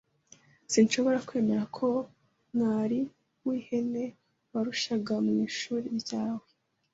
Sinshobora kwemera ko mwari w'ihene barushaga mu ishuri ryawe.